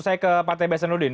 saya ke pak tb senudin